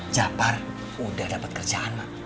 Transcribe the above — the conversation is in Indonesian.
jafar udah dapet kerjaan mak